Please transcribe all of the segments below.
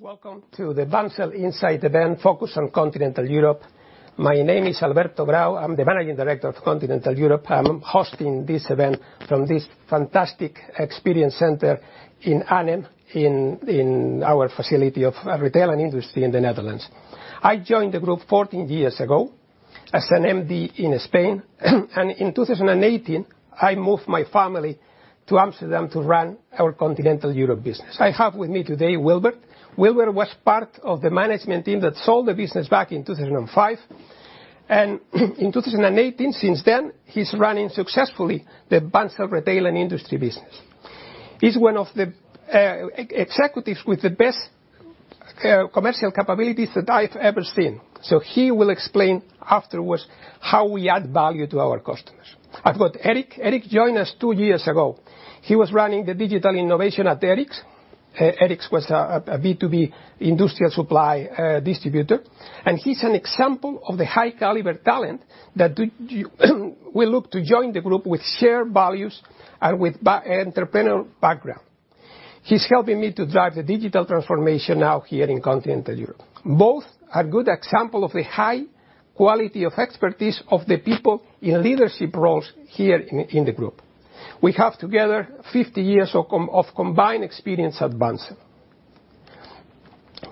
Welcome to the Bunzl Insight event focused on Continental Europe. My name is Alberto Grau. I'm the Managing Director of Continental Europe. I'm hosting this event from this fantastic experience center in Arnhem in our facility of retail and industry in the Netherlands. I joined the group 14 years ago as an MD in Spain, and in 2018, I moved my family to Amsterdam to run our Continental Europe business. I have with me today Wilbert. Wilbert was part of the management team that sold the business back in 2005. In 2018, since then, he's running successfully the Bunzl Retail & Industry business. He's one of the ex-executives with the best commercial capabilities that I've ever seen. He will explain afterwards how we add value to our customers. I've got Erik. Erik joined us two years ago. He was running the digital innovation at ERIKS. ERIKS was a B2B industrial supply distributor, and he's an example of the high caliber talent that we look to join the group with shared values and with entrepreneurial background. He's helping me to drive the digital transformation now here in Continental Europe. Both are good example of the high quality of expertise of the people in leadership roles here in the group. We have together 50 years of combined experience at Bunzl.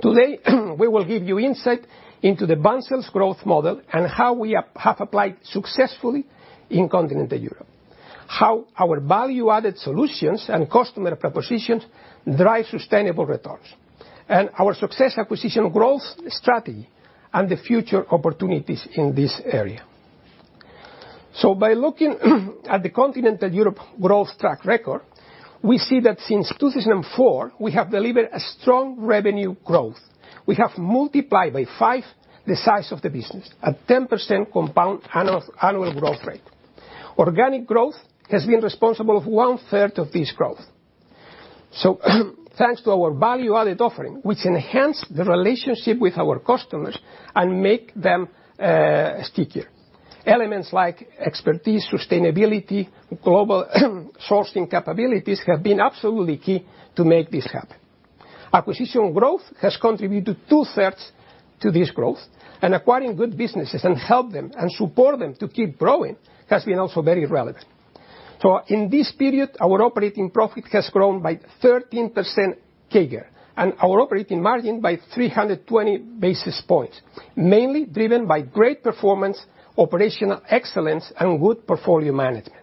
Today, we will give you insight into Bunzl's growth model and how we have applied successfully in Continental Europe, how our value-added solutions and customer propositions drive sustainable returns, and our successful acquisition growth strategy and the future opportunities in this area. By looking at the Continental Europe growth track record, we see that since 2004, we have delivered a strong revenue growth. We have multiplied by 5 the size of the business at 10% compound annual growth rate. Organic growth has been responsible for one-third of this growth. Thanks to our value-added offering, which enhance the relationship with our customers and make them stickier. Elements like expertise, sustainability, global sourcing capabilities have been absolutely key to make this happen. Acquisition growth has contributed two-thirds to this growth. Acquiring good businesses and help them and support them to keep growing has been also very relevant. In this period, our operating profit has grown by 13% CAGR and our operating margin by 320 basis points, mainly driven by great performance, operational excellence, and good portfolio management.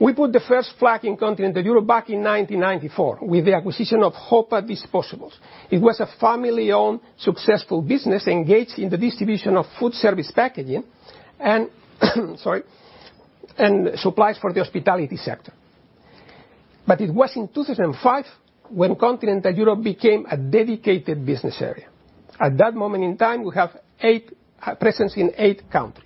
We put the first flag in Continental Europe back in 1994 with the acquisition of Hopa Disposables. It was a family-owned successful business engaged in the distribution of food service packaging and supplies for the hospitality sector. It was in 2005 when Continental Europe became a dedicated business area. At that moment in time, we have eight presence in eight countries.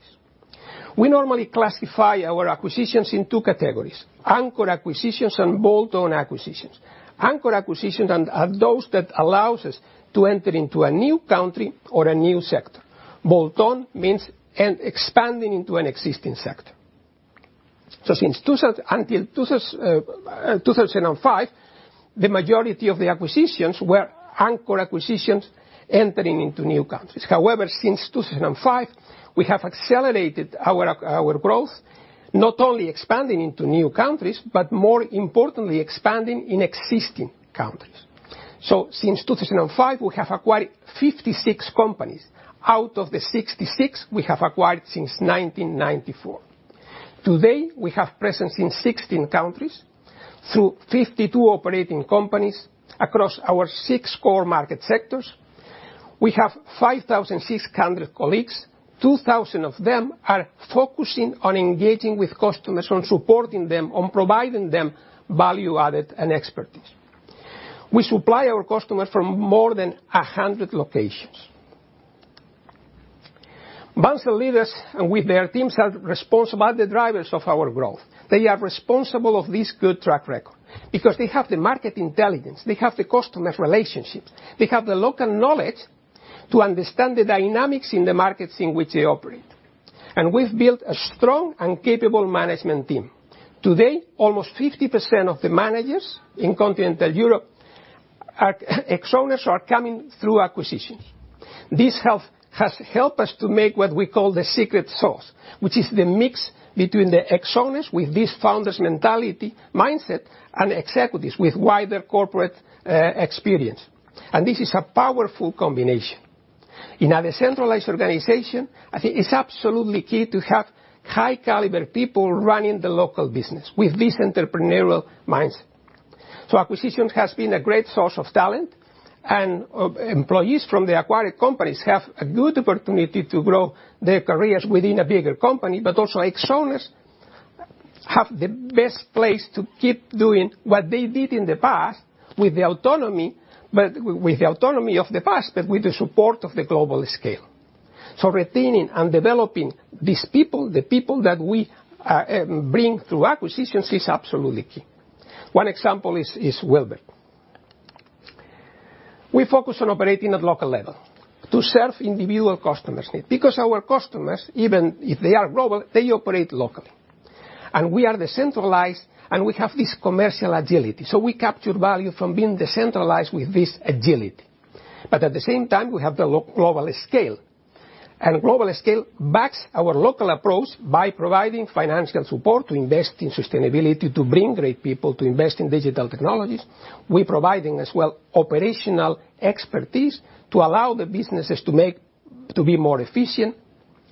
We normally classify our acquisitions in two categories, anchor acquisitions and bolt-on acquisitions. Anchor acquisitions are those that allows us to enter into a new country or a new sector. Bolt-on means an expanding into an existing sector. Until 2005, the majority of the acquisitions were anchor acquisitions entering into new countries. However, since 2005, we have accelerated our growth, not only expanding into new countries, but more importantly, expanding in existing countries. Since 2005, we have acquired 56 companies out of the 66 we have acquired since 1994. Today, we have presence in 16 countries through 52 operating companies across our six core market sectors. We have 5,600 colleagues. 2,000 of them are focusing on engaging with customers, on supporting them, on providing them value added and expertise. We supply our customers from more than 100 locations. Bunzl leaders with their teams are responsible, are the drivers of our growth. They are responsible of this good track record because they have the market intelligence, they have the customer relationships, they have the local knowledge to understand the dynamics in the markets in which they operate. We've built a strong and capable management team. Today, almost 50% of the managers in Continental Europe are ex-owners who are coming through acquisitions. This has helped us to make what we call the secret sauce, which is the mix between the ex-owners with this founder's mentality, mindset, and executives with wider corporate experience. This is a powerful combination. In a decentralized organization, I think it's absolutely key to have high caliber people running the local business with this entrepreneurial mindset. Acquisitions has been a great source of talent, and employees from the acquired companies have a good opportunity to grow their careers within a bigger company. Also ex-owners have the best place to keep doing what they did in the past with the autonomy, but with the autonomy of the past, but with the support of the global scale. Retaining and developing these people, the people that we bring through acquisitions, is absolutely key. One example is Wilbert. We focus on operating at local level to serve individual customers' needs because our customers, even if they are global, they operate locally. We are decentralized, and we have this commercial agility. We capture value from being decentralized with this agility. At the same time, we have the global scale. Global scale backs our local approach by providing financial support to invest in sustainability to bring great people to invest in digital technologies. We provide as well operational expertise to allow the businesses to be more efficient,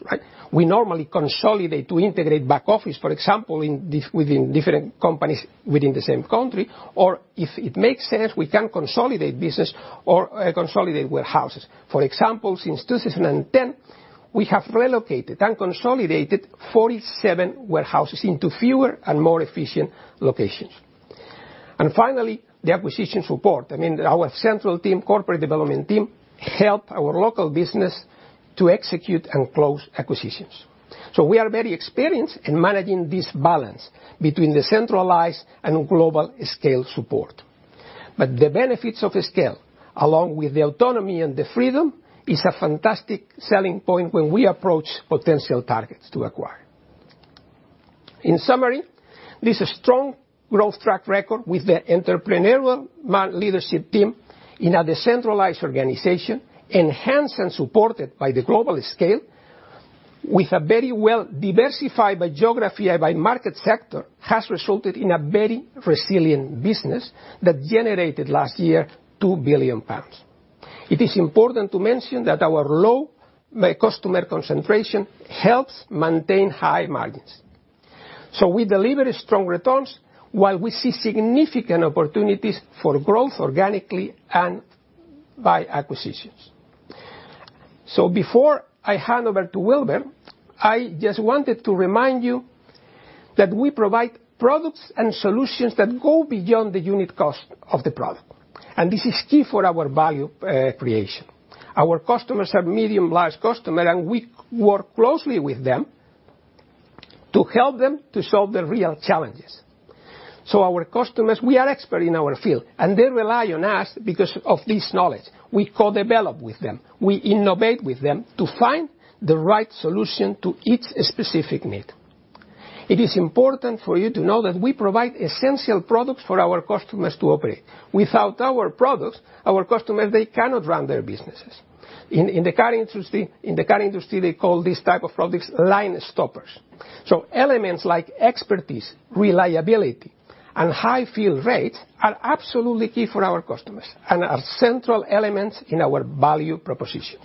right? We normally consolidate to integrate back office, for example, within different companies within the same country, or if it makes sense, we can consolidate business or consolidate warehouses. For example, since 2010, we have relocated and consolidated 47 warehouses into fewer and more efficient locations. Finally, the acquisition support. I mean, our central team, corporate development team, help our local business to execute and close acquisitions. We are very experienced in managing this balance between the centralized and global scale support. The benefits of scale, along with the autonomy and the freedom, is a fantastic selling point when we approach potential targets to acquire. In summary, this strong growth track record with the entrepreneurial leadership team in a decentralized organization, enhanced and supported by the global scale with a very well diversified by geography and by market sector, has resulted in a very resilient business that generated last year 2 billion pounds. It is important to mention that our low buyer concentration helps maintain high margins. We deliver strong returns while we see significant opportunities for growth organically and by acquisitions. Before I hand over to Wilbert, I just wanted to remind you that we provide products and solutions that go beyond the unit cost of the product. This is key for our value creation. Our customers are medium to large customers, and we work closely with them to help them to solve their real challenges. Our customers, we are expert in our field, and they rely on us because of this knowledge. We co-develop with them. We innovate with them to find the right solution to each specific need. It is important for you to know that we provide essential products for our customers to operate. Without our products, our customers, they cannot run their businesses. In the car industry, they call this type of products line stoppers. Elements like expertise, reliability, and high field rates are absolutely key for our customers and are central elements in our value proposition.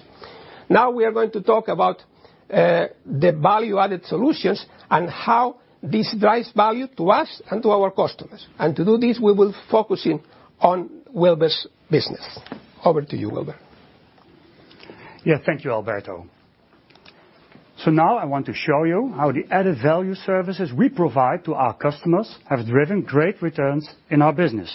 Now we are going to talk about the value-added solutions and how this drives value to us and to our customers. To do this, we will focusing on Wilbert's business. Over to you, Wilbert. Yeah. Thank you, Alberto. Now I want to show you how the added value services we provide to our customers have driven great returns in our business.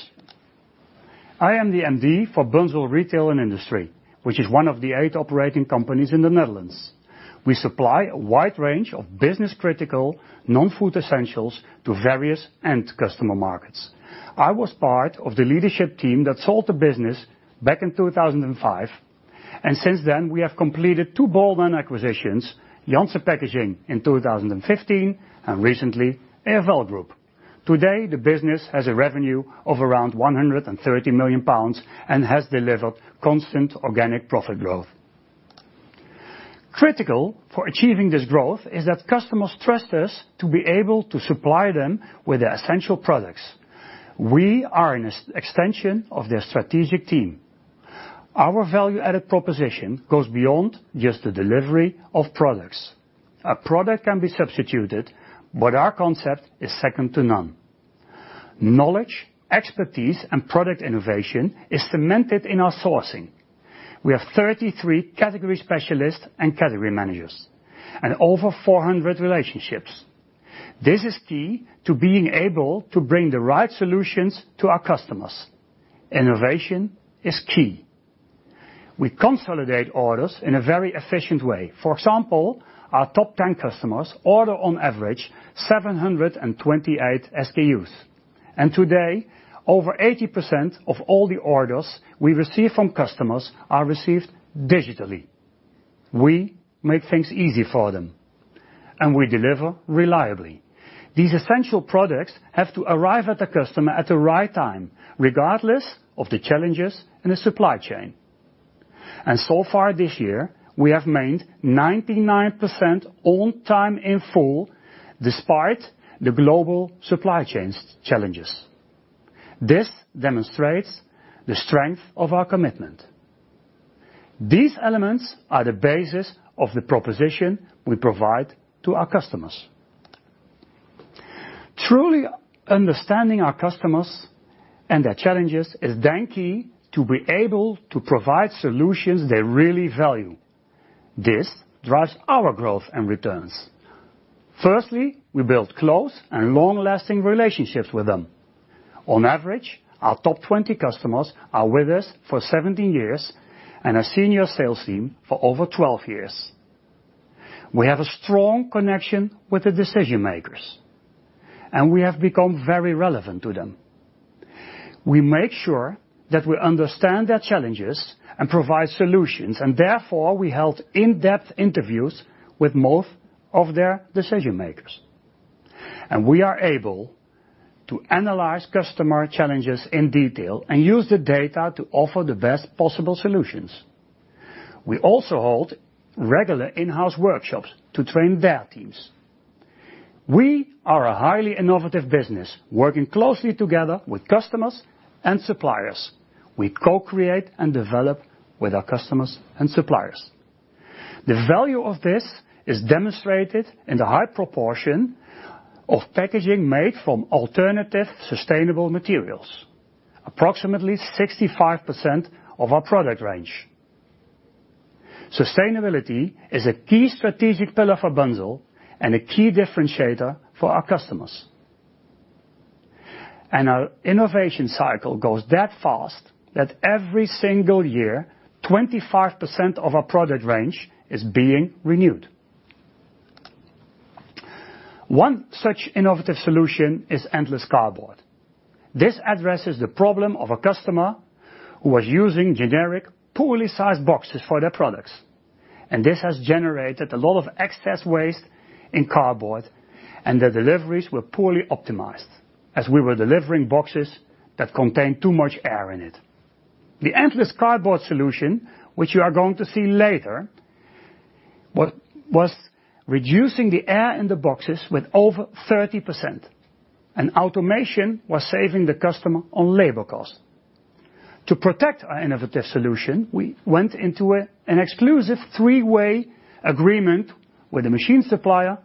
I am the MD for Bunzl Retail & Industry, which is one of the eight operating companies in the Netherlands. We supply a wide range of business critical non-food essentials to various end customer markets. I was part of the leadership team that sold the business back in 2005, and since then, we have completed two bolt-on acquisitions, Janssen Packaging in 2015 and recently, AFL Groep. Today, the business has a revenue of around 130 million pounds and has delivered constant organic profit growth. Critical for achieving this growth is that customers trust us to be able to supply them with the essential products. We are an extension of their strategic team. Our value-added proposition goes beyond just the delivery of products. A product can be substituted, but our concept is second to none. Knowledge, expertise, and product innovation is cemented in our sourcing. We have 33 category specialists and category managers and over 400 relationships. This is key to being able to bring the right solutions to our customers. Innovation is key. We consolidate orders in a very efficient way. For example, our top 10 customers order on average 728 SKUs. Today, over 80% of all the orders we receive from customers are received digitally. We make things easy for them, and we deliver reliably. These essential products have to arrive at the customer at the right time, regardless of the challenges in the supply chain. So far this year, we have made 99% on time in full despite the global supply chains challenges. This demonstrates the strength of our commitment. These elements are the basis of the proposition we provide to our customers. Truly understanding our customers and their challenges is then key to be able to provide solutions they really value. This drives our growth and returns. Firstly, we build close and long-lasting relationships with them. On average, our top 20 customers are with us for 17 years and a senior sales team for over 12 years. We have a strong connection with the decision-makers, and we have become very relevant to them. We make sure that we understand their challenges and provide solutions, and therefore, we held in-depth interviews with most of their decision-makers. We are able to analyze customer challenges in detail and use the data to offer the best possible solutions. We also hold regular in-house workshops to train their teams. We are a highly innovative business, working closely together with customers and suppliers. We co-create and develop with our customers and suppliers. The value of this is demonstrated in the high proportion of packaging made from alternative sustainable materials. Approximately 65% of our product range. Sustainability is a key strategic pillar for Bunzl and a key differentiator for our customers. Our innovation cycle goes that fast that every single year, 25% of our product range is being renewed. One such innovative solution is endless cardboard. This addresses the problem of a customer who was using generic, poorly sized boxes for their products, and this has generated a lot of excess waste in cardboard, and their deliveries were poorly optimized as we were delivering boxes that contained too much air in it. The endless cardboard solution, which you are going to see later, was reducing the air in the boxes with over 30%, and automation was saving the customer on labor cost. To protect our innovative solution, we went into an exclusive three-way agreement with the machine supplier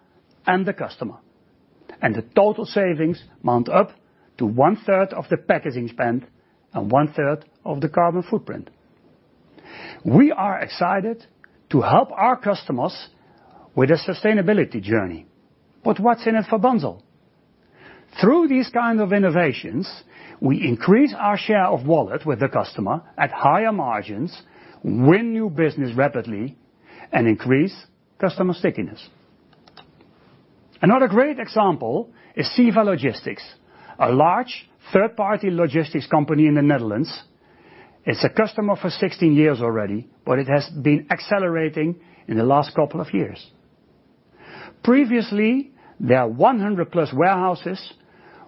and the customer, and the total savings mount up to one-third of the packaging spend and one-third of the carbon footprint. We are excited to help our customers with their sustainability journey. What's in it for Bunzl? Through these kinds of innovations, we increase our share of wallet with the customer at higher margins, win new business rapidly, and increase customer stickiness. Another great example is CEVA Logistics, a large third-party logistics company in the Netherlands. It's a customer for 16 years already, but it has been accelerating in the last couple of years. Previously, their 100+ warehouses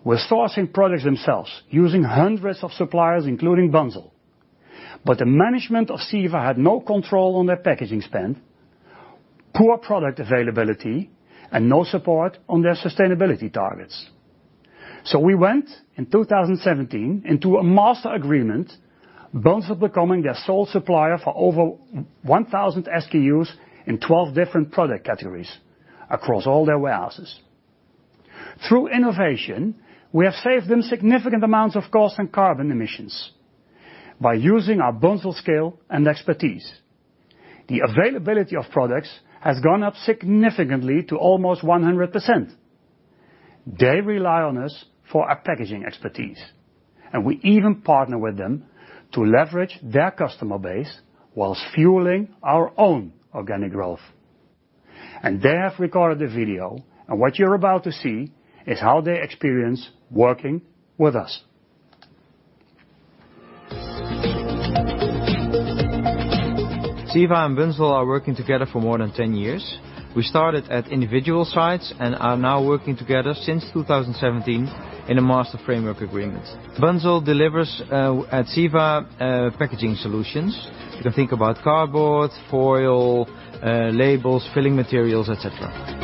were sourcing products themselves, using hundreds of suppliers, including Bunzl. The management of CEVA had no control on their packaging spend, poor product availability, and no support on their sustainability targets. We went, in 2017, into a master agreement, Bunzl becoming their sole supplier for over 1,000 SKUs in 12 different product categories across all their warehouses. Through innovation, we have saved them significant amounts of cost and carbon emissions by using our Bunzl scale and expertise. The availability of products has gone up significantly to almost 100%. They rely on us for our packaging expertise, and we even partner with them to leverage their customer base whilst fueling our own organic growth. They have recorded a video, and what you're about to see is how they experience working with us. CEVA and Bunzl are working together for more than 10 years. We started at individual sites and are now working together since 2017 in a master framework agreement. Bunzl delivers at CEVA packaging solutions. You can think about cardboard, foil, labels, filling materials, et cetera.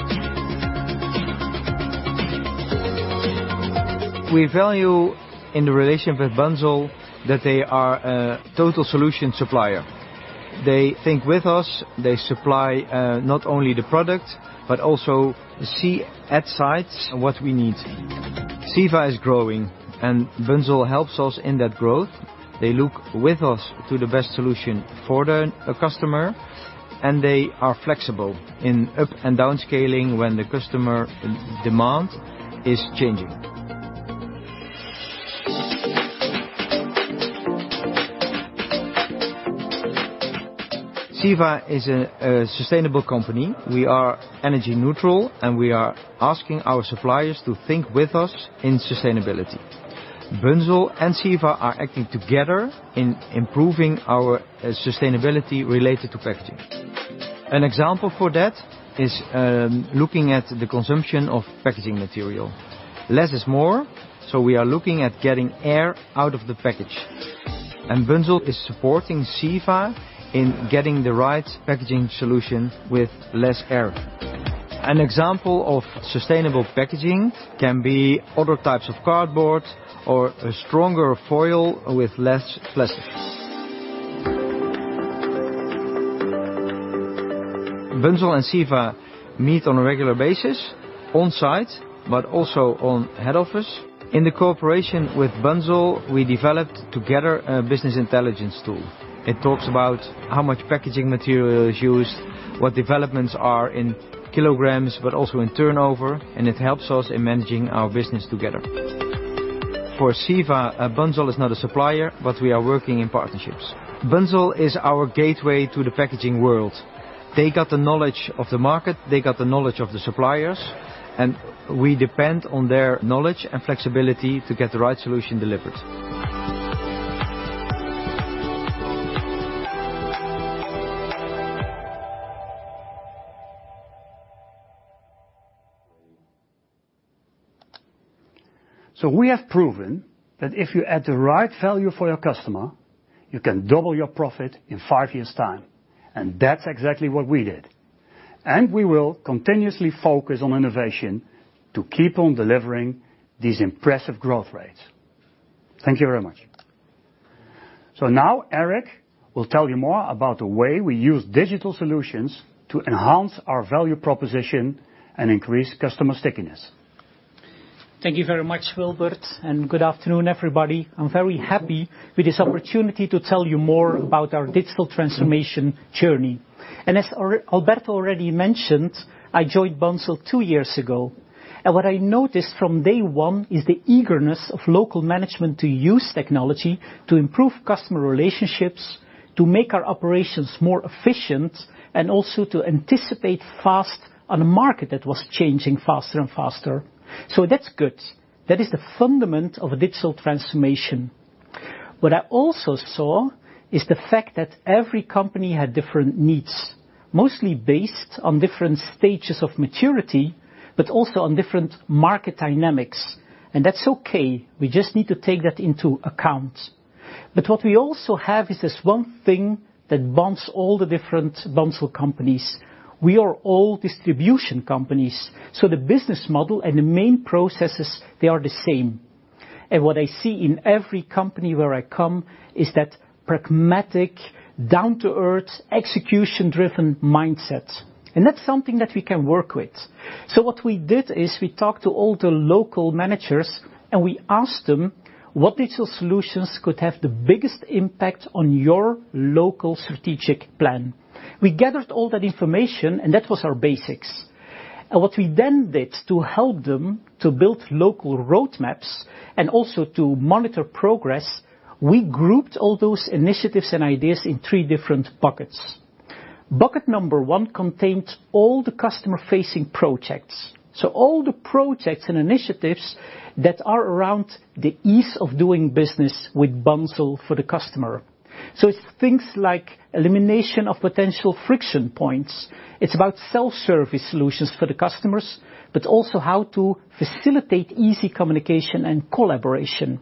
We value in the relationship with Bunzl that they are a total solution supplier. They think with us, they supply not only the product but also see at sites what we need. CEVA is growing, and Bunzl helps us in that growth. They look with us to the best solution for the customer, and they are flexible in up and down scaling when the customer demand is changing. CEVA is a sustainable company. We are energy neutral, and we are asking our suppliers to think with us in sustainability. Bunzl and CEVA are acting together in improving our sustainability related to packaging. An example for that is looking at the consumption of packaging material. Less is more, so we are looking at getting air out of the package, and Bunzl is supporting CEVA in getting the right packaging solution with less air. An example of sustainable packaging can be other types of cardboard or a stronger foil with less plastic. Bunzl and CEVA meet on a regular basis on-site but also on head office. In the cooperation with Bunzl, we developed together a business intelligence tool. It talks about how much packaging material is used, what developments are in kilograms, but also in turnover, and it helps us in managing our business together. For CEVA, Bunzl is not a supplier, but we are working in partnerships. Bunzl is our gateway to the packaging world. They got the knowledge of the market, they got the knowledge of the suppliers, and we depend on their knowledge and flexibility to get the right solution delivered. We have proven that if you add the right value for your customer, you can double your profit in five years' time, and that's exactly what we did. We will continuously focus on innovation to keep on delivering these impressive growth rates. Thank you very much. Now, Erik will tell you more about the way we use digital solutions to enhance our value proposition and increase customer stickiness. Thank you very much, Wilbert, and good afternoon, everybody. I'm very happy with this opportunity to tell you more about our digital transformation journey. As Alberto already mentioned, I joined Bunzl two years ago. What I noticed from day one is the eagerness of local management to use technology to improve customer relationships, to make our operations more efficient, and also to anticipate fast on a market that was changing faster and faster. That's good. That is the fundament of a digital transformation. What I also saw is the fact that every company had different needs, mostly based on different stages of maturity, but also on different market dynamics, and that's okay. We just need to take that into account. What we also have is this one thing that bonds all the different Bunzl companies. We are all distribution companies, so the business model and the main processes, they are the same. What I see in every company where I come is that pragmatic, down-to-earth, execution-driven mindset, and that's something that we can work with. What we did is we talked to all the local managers, and we asked them, "What digital solutions could have the biggest impact on your local strategic plan?" We gathered all that information, and that was our basis. What we then did to help them to build local road maps and also to monitor progress, we grouped all those initiatives and ideas in three different buckets. Bucket number one contained all the customer-facing projects. All the projects and initiatives that are around the ease of doing business with Bunzl for the customer. It's things like elimination of potential friction points. It's about self-service solutions for the customers, but also how to facilitate easy communication and collaboration.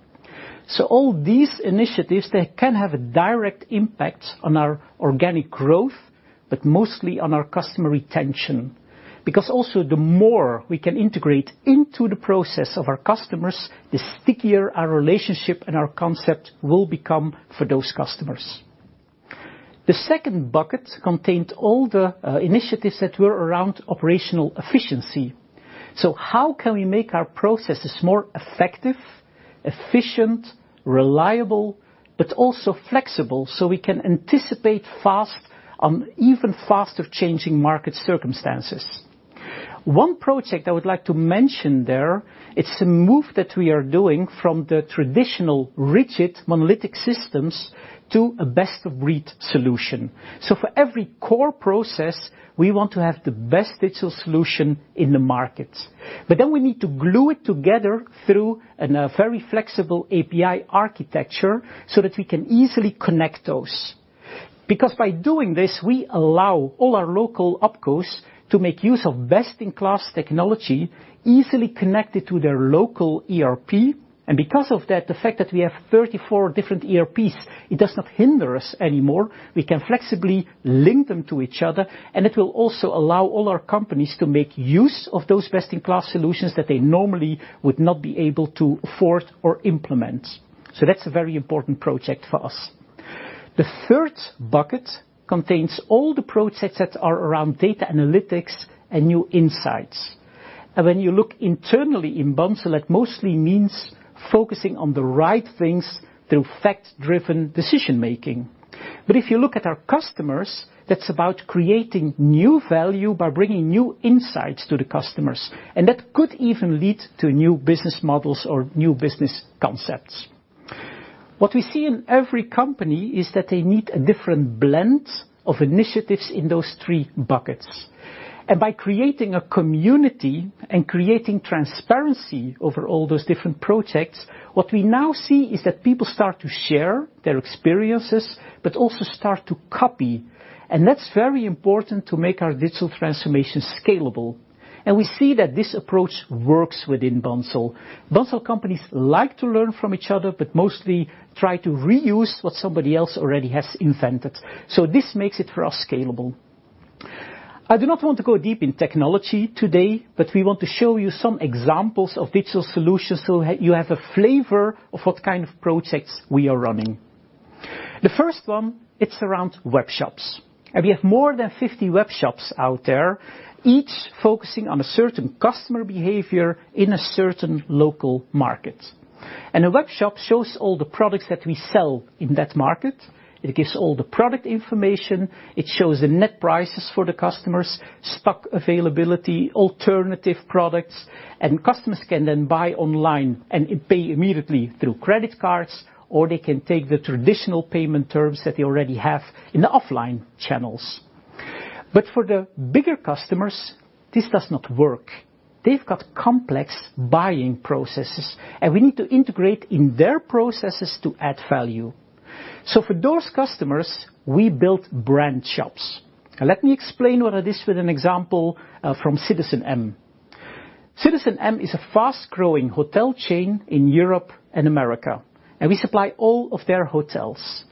All these initiatives, they can have a direct impact on our organic growth, but mostly on our customer retention. Because also, the more we can integrate into the process of our customers, the stickier our relationship and our concept will become for those customers. The second bucket contained all the initiatives that were around operational efficiency. How can we make our processes more effective, efficient, reliable, but also flexible, so we can anticipate fast on even faster changing market circumstances? One project I would like to mention there, it's a move that we are doing from the traditional rigid monolithic systems to a best-of-breed solution. For every core process, we want to have the best digital solution in the market. We need to glue it together through a very flexible API architecture so that we can easily connect those. Because by doing this, we allow all our local opcos to make use of best-in-class technology, easily connected to their local ERP. Because of that, the fact that we have 34 different ERPs, it does not hinder us anymore. We can flexibly link them to each other, and it will also allow all our companies to make use of those best-in-class solutions that they normally would not be able to afford or implement. That's a very important project for us. The third bucket contains all the projects that are around data analytics and new insights. When you look internally in Bunzl, it mostly means focusing on the right things through fact-driven decision-making. If you look at our customers, that's about creating new value by bringing new insights to the customers, and that could even lead to new business models or new business concepts. What we see in every company is that they need a different blend of initiatives in those three buckets. By creating a community and creating transparency over all those different projects, what we now see is that people start to share their experiences but also start to copy. That's very important to make our digital transformation scalable. We see that this approach works within Bunzl. Bunzl companies like to learn from each other, but mostly try to reuse what somebody else already has invented. This makes it for us scalable. I do not want to go deep in technology today, but we want to show you some examples of digital solutions so you have a flavor of what kind of projects we are running. The first one, it's around webshops. We have more than 50 webshops out there, each focusing on a certain customer behavior in a certain local market. A webshop shows all the products that we sell in that market. It gives all the product information, it shows the net prices for the customers, stock availability, alternative products, and customers can then buy online and pay immediately through credit cards, or they can take the traditional payment terms that they already have in the offline channels. For the bigger customers, this does not work. They've got complex buying processes, and we need to integrate in their processes to add value. For those customers, we built brand shops. Let me explain what it is with an example from citizenM. citizenM is a fast-growing hotel chain in Europe and America, and we supply all of their hotels.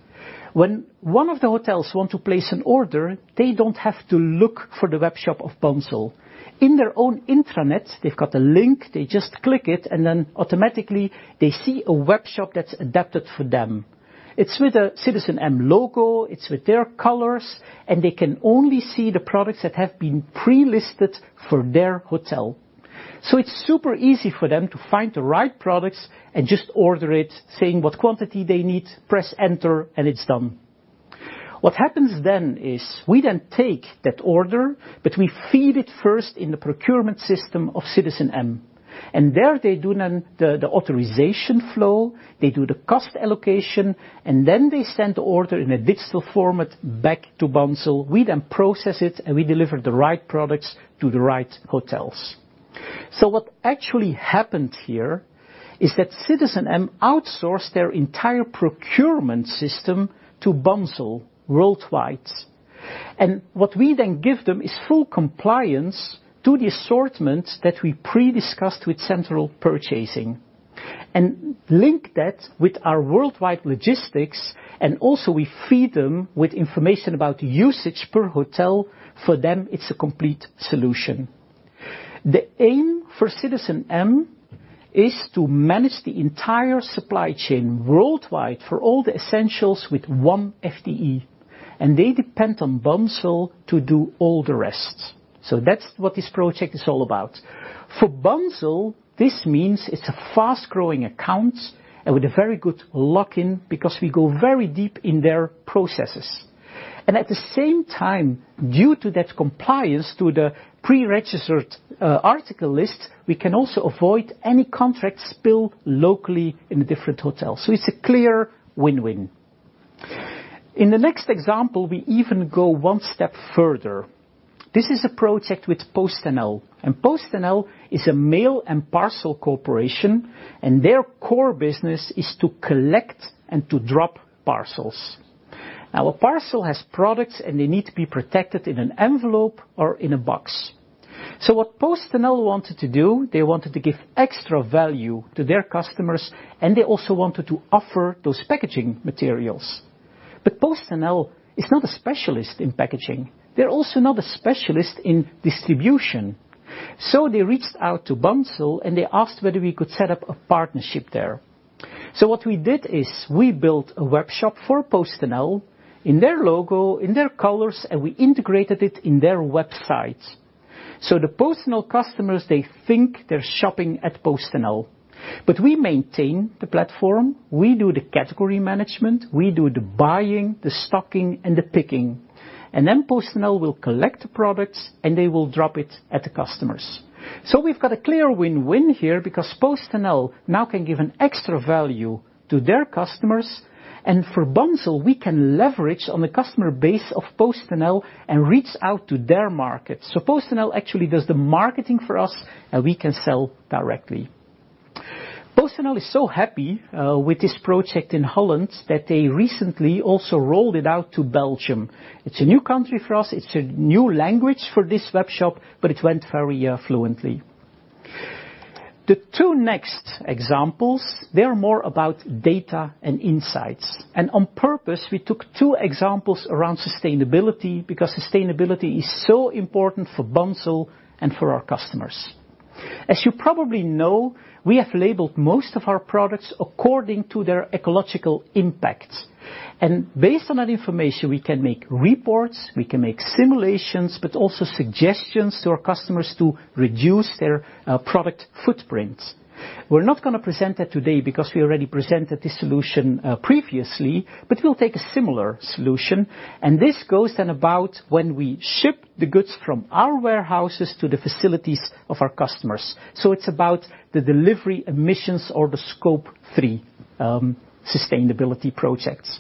When one of the hotels want to place an order, they don't have to look for the webshop of Bunzl. In their own intranet, they've got a link, they just click it, and then automatically they see a webshop that's adapted for them. It's with a citizenM logo, it's with their colors, and they can only see the products that have been pre-listed for their hotel. It's super easy for them to find the right products and just order it, saying what quantity they need, press enter, and it's done. What happens then is we then take that order, but we feed it first in the procurement system of citizenM. There they do then the authorization flow, they do the cost allocation, and then they send the order in a digital format back to Bunzl. We then process it, and we deliver the right products to the right hotels. What actually happened here is that citizenM outsourced their entire procurement system to Bunzl worldwide. What we then give them is full compliance to the assortments that we pre-discussed with central purchasing and link that with our worldwide logistics, and also we feed them with information about usage per hotel. For them, it's a complete solution. The aim for citizenM is to manage the entire supply chain worldwide for all the essentials with one FTE, and they depend on Bunzl to do all the rest. That's what this project is all about. For Bunzl, this means it's a fast-growing account and with a very good lock-in because we go very deep in their processes. At the same time, due to that compliance to the pre-registered article list, we can also avoid any contract spill locally in the different hotels. It's a clear win-win. In the next example, we even go one step further. This is a project with PostNL. PostNL is a mail and parcel corporation, and their core business is to collect and to drop parcels. Now, a parcel has products, and they need to be protected in an envelope or in a box. What PostNL wanted to do, they wanted to give extra value to their customers, and they also wanted to offer those packaging materials. PostNL is not a specialist in packaging. They're also not a specialist in distribution. They reached out to Bunzl, and they asked whether we could set up a partnership there. What we did is we built a webshop for PostNL in their logo, in their colors, and we integrated it in their website. The PostNL customers, they think they're shopping at PostNL, but we maintain the platform, we do the category management, we do the buying, the stocking, and the picking. PostNL will collect products, and they will drop it at the customers. We've got a clear win-win here because PostNL now can give an extra value to their customers, and for Bunzl, we can leverage on the customer base of PostNL and reach out to their market. PostNL actually does the marketing for us, and we can sell directly. PostNL is so happy with this project in Holland that they recently also rolled it out to Belgium. It's a new country for us. It's a new language for this webshop, but it went very fluently. The two next examples, they are more about data and insights. On purpose, we took two examples around sustainability because sustainability is so important for Bunzl and for our customers. As you probably know, we have labeled most of our products according to their ecological impact. Based on that information, we can make reports, we can make simulations, but also suggestions to our customers to reduce their product footprint. We're not gonna present that today because we already presented this solution previously, but we'll take a similar solution, and this goes then about when we ship the goods from our warehouses to the facilities of our customers. It's about the delivery emissions or the Scope 3 sustainability projects.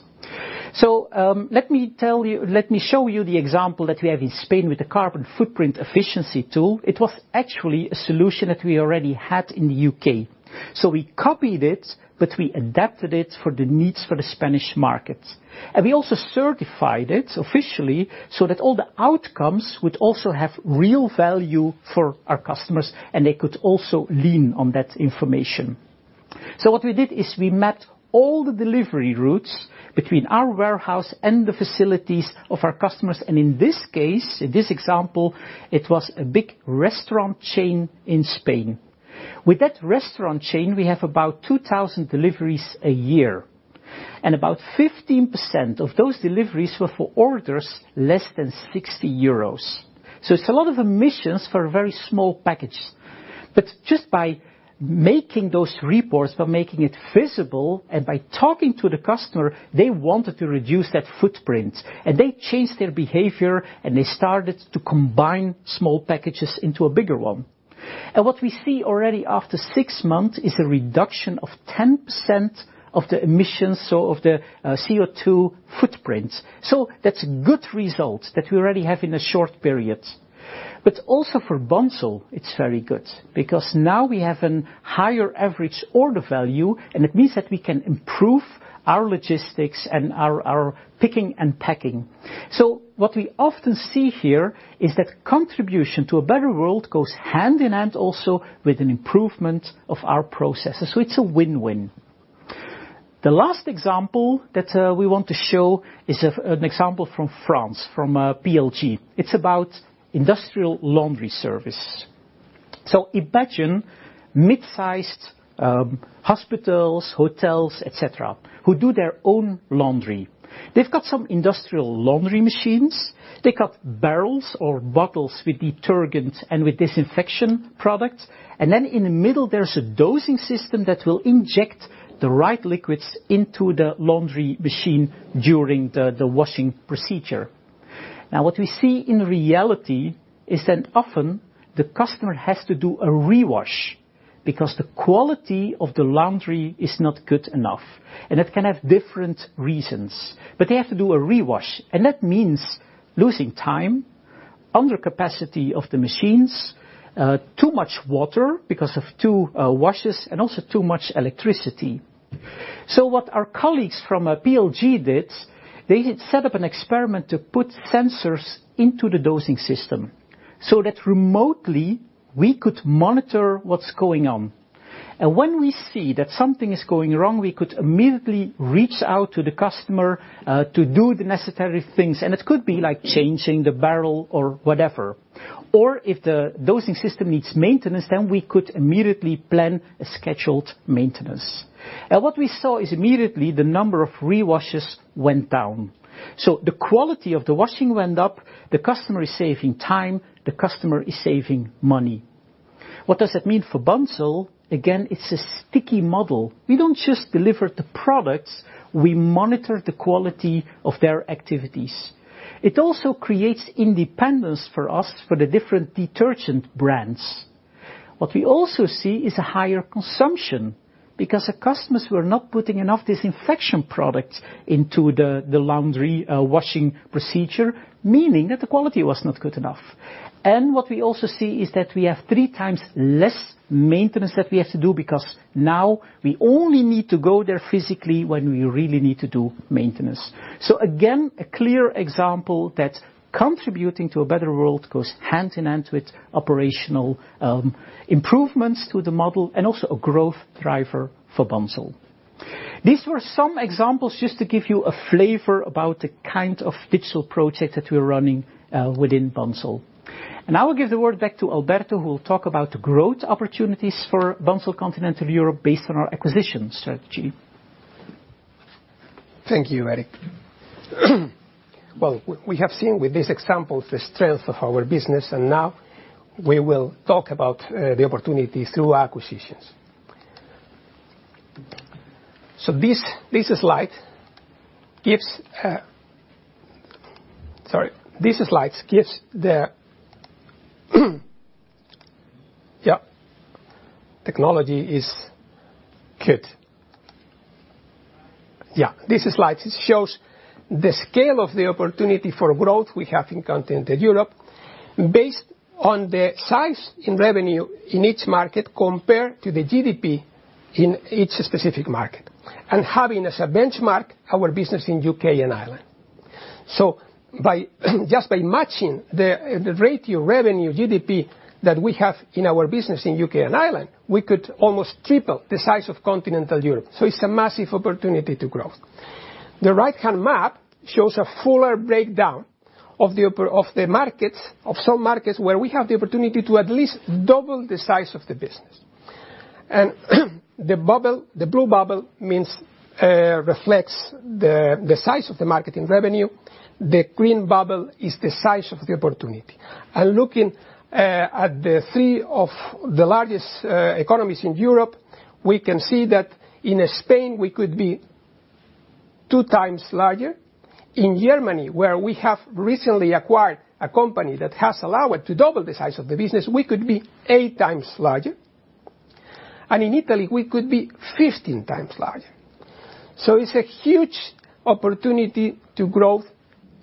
Let me show you the example that we have in Spain with the carbon footprint efficiency tool. It was actually a solution that we already had in the U.K. We copied it, but we adapted it for the needs for the Spanish market. We also certified it officially so that all the outcomes would also have real value for our customers, and they could also lean on that information. What we did is we mapped all the delivery routes between our warehouse and the facilities of our customers, and in this case, in this example, it was a big restaurant chain in Spain. With that restaurant chain, we have about 2,000 deliveries a year. About 15% of those deliveries were for orders less than 60 euros. It's a lot of emissions for very small packages. Just by making those reports, by making it visible, and by talking to the customer, they wanted to reduce that footprint, and they changed their behavior, and they started to combine small packages into a bigger one. What we see already after six months is a reduction of 10% of the emissions, so of the CO2 footprint. That's good results that we already have in a short period. Also for Bunzl, it's very good because now we have a higher average order value, and it means that we can improve our logistics and our picking and packing. What we often see here is that contribution to a better world goes hand in hand also with an improvement of our processes. It's a win-win. The last example that we want to show is an example from France, from PLG. It's about industrial laundry service. Imagine mid-sized hospitals, hotels, et cetera, who do their own laundry. They've got some industrial laundry machines. They got barrels or bottles with detergent and with disinfection products. In the middle, there's a dosing system that will inject the right liquids into the laundry machine during the washing procedure. Now, what we see in reality is that often the customer has to do a rewash because the quality of the laundry is not good enough, and it can have different reasons. They have to do a rewash, and that means losing time, under capacity of the machines, too much water because of two washes, and also too much electricity. What our colleagues from PLG did, they did set up an experiment to put sensors into the dosing system so that remotely we could monitor what's going on. When we see that something is going wrong, we could immediately reach out to the customer to do the necessary things, and it could be like changing the barrel or whatever. If the dosing system needs maintenance, we could immediately plan a scheduled maintenance. What we saw is immediately the number of rewashes went down. The quality of the washing went up. The customer is saving time. The customer is saving money. What does that mean for Bunzl? Again, it's a sticky model. We don't just deliver the products. We monitor the quality of their activities. It also creates independence for us, for the different detergent brands. What we also see is a higher consumption because the customers were not putting enough disinfection products into the laundry washing procedure, meaning that the quality was not good enough. What we also see is that we have three times less maintenance that we have to do because now we only need to go there physically when we really need to do maintenance. Again, a clear example that contributing to a better world goes hand in hand with operational improvements to the model and also a growth driver for Bunzl. These were some examples just to give you a flavor about the kind of digital projects that we're running within Bunzl. I will give the word back to Alberto, who will talk about growth opportunities for Bunzl Continental Europe based on our acquisition strategy. Thank you, Eric. Well, we have seen with these examples the strength of our business, and now we will talk about the opportunities through acquisitions. This slide shows the scale of the opportunity for growth we have in Continental Europe based on the size in revenue in each market compared to the GDP in each specific market, and having as a benchmark our business in U.K. and Ireland. Just by matching the ratio revenue GDP that we have in our business in U.K. and Ireland, we could almost triple the size of Continental Europe. It's a massive opportunity to grow. The right-hand map shows a fuller breakdown of the opportunity. of the markets, of some markets where we have the opportunity to at least double the size of the business. The bubble, the blue bubble means reflects the size of the market in revenue. The green bubble is the size of the opportunity. Looking at the three largest economies in Europe, we can see that in Spain, we could be 2x larger. In Germany, where we have recently acquired a company that has allowed to double the size of the business, we could be 8x larger. In Italy, we could be 15x larger. It's a huge opportunity for growth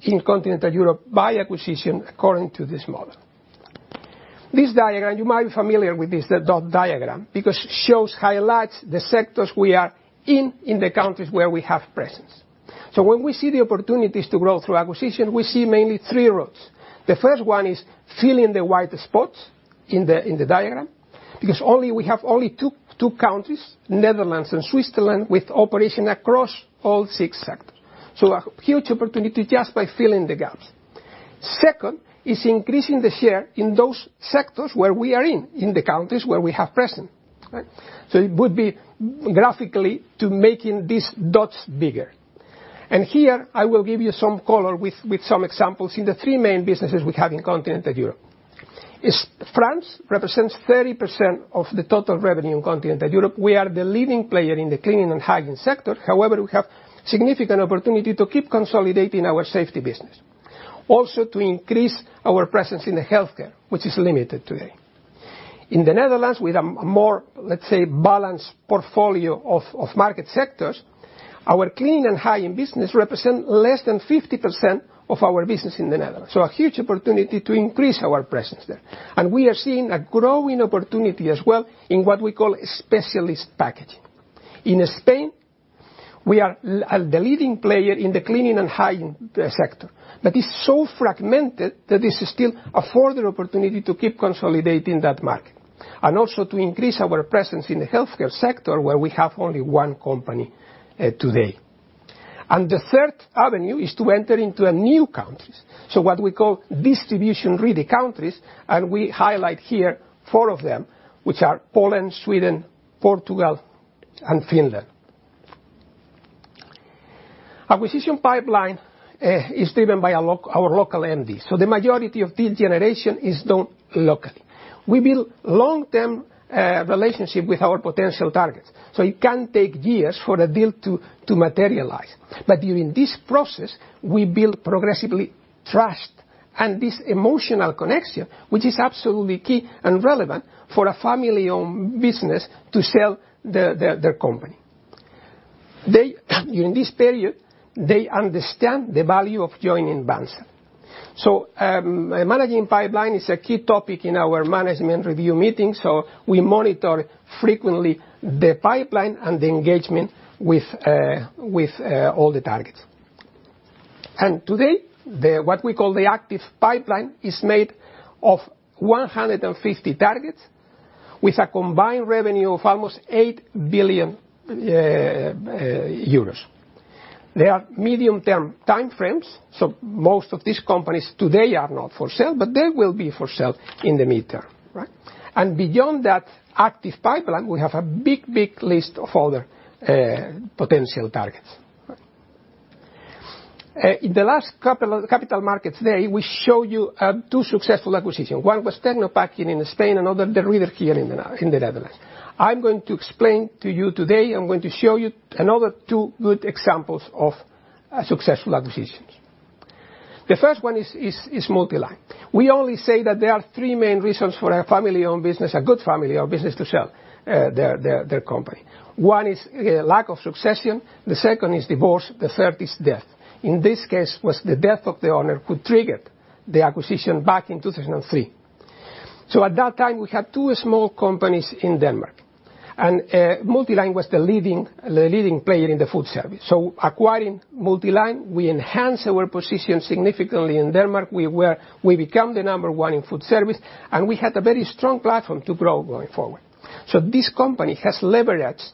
in Continental Europe by acquisition according to this model. This diagram, you might be familiar with this, the dot diagram, because it shows highlights the sectors we are in in the countries where we have presence. When we see the opportunities to grow through acquisition, we see mainly three routes. The first one is filling the white spots in the diagram. Because we have only two countries, Netherlands and Switzerland, with operation across all six sectors. A huge opportunity just by filling the gaps. Second is increasing the share in those sectors where we are in the countries where we have presence, right? It would be graphically to making these dots bigger. Here I will give you some color with some examples in the three main businesses we have in Continental Europe. In France represents 30% of the total revenue in Continental Europe. We are the leading player in the cleaning and hygiene sector. However, we have significant opportunity to keep consolidating our safety business. To increase our presence in the healthcare, which is limited today. In the Netherlands, with a more, let's say, balanced portfolio of market sectors, our cleaning and hygiene business represent less than 50% of our business in the Netherlands. A huge opportunity to increase our presence there. We are seeing a growing opportunity as well in what we call specialist packaging. In Spain, we are the leading player in the cleaning and hygiene sector. That is so fragmented that is still a further opportunity to keep consolidating that market and also to increase our presence in the healthcare sector, where we have only one company today. The third avenue is to enter into a new countries, so what we call distribution-ready countries, and we highlight here four of them, which are Poland, Sweden, Portugal, and Finland. Acquisition pipeline is driven by our local MDs. The majority of deal generation is done locally. We build long-term relationship with our potential targets, so it can take years for the deal to materialize. During this process, we build progressively trust and this emotional connection, which is absolutely key and relevant for a family-owned business to sell their company. During this period, they understand the value of joining Bunzl. Managing pipeline is a key topic in our management review meeting, so we monitor frequently the pipeline and the engagement with all the targets. Today, what we call the active pipeline is made of 150 targets with a combined revenue of almost 8 billion euros. They are medium-term time frames, so most of these companies today are not for sale, but they will be for sale in the mid-term, right? Beyond that active pipeline, we have a big, big list of other potential targets. In the last capital markets day, we show you two successful acquisitions. One was Tecnopacking in Spain, another De Ridder here in the Netherlands. I'm going to explain to you today, I'm going to show you another two good examples of successful acquisitions. The first one is MultiLine. We only say that there are three main reasons for a family-owned business, a good family-owned business to sell their company. One is lack of succession, the second is divorce, the third is death. In this case, it was the death of the owner that triggered the acquisition back in 2003. At that time, we had two small companies in Denmark, and MultiLine was the leading player in the food service. Acquiring MultiLine, we enhanced our position significantly in Denmark, we became the number one in food service, and we had a very strong platform to grow going forward. This company has leveraged